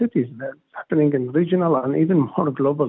tapi juga di kota regional dan lebih global